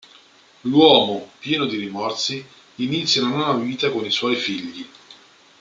L'uomo, pieno di rimorsi, inizia una nuova vita con i suoi figli.